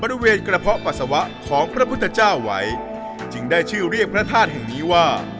บริเวณกระเพาะปัสสาวะของพระพุทธเจ้าไว้จึงได้ชื่อเรียกพระธาตุแห่งนี้ว่า